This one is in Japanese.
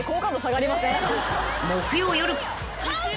［木曜夜］